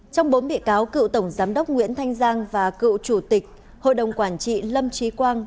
trong bốn bị cáo cựu tổng giám đốc nguyễn thanh giang và cựu chủ tịch hội đồng quản trị lâm trí quang